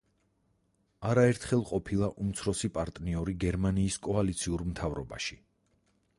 არაერთხელ ყოფილა უმცროსი პარტნიორი გერმანიის კოალიციურ მთავრობაში.